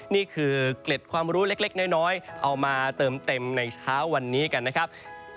นี่คือเกล็ดความรู้เล็กน้อยเอามาเติมเต็มในเช้าวันนี้กันนะครับ